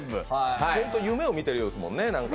ホント、夢を見てるようですもんね。